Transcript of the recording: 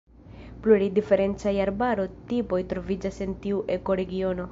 Pluraj diferencaj arbaro-tipoj troviĝas en tiu ekoregiono.